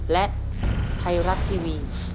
และไทยรัฐทีวี